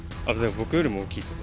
僕よりも大きいと思う。